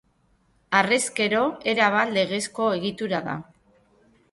Harrezkero erabat legezko egitura da.